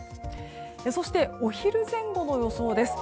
そしてお昼前後の予想です。